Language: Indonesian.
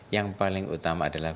yang paling utama adalah